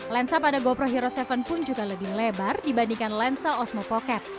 lensa pada gopro hero tujuh pun juga lebih lebar dibandingkan lensa osmo pocket